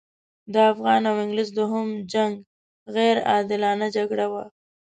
د افغان او انګلیس دوهم جنګ غیر عادلانه جګړه وه.